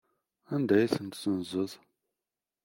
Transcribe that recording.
Anda ay tent-tessenzeḍ?